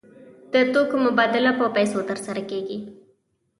د توکو مبادله په پیسو ترسره کیږي.